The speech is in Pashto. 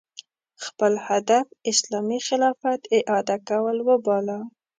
خپل هدف اسلامي خلافت اعاده کول وباله